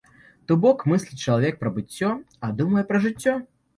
То бок мысліць чалавек пра быццё, а думае пра жыццё.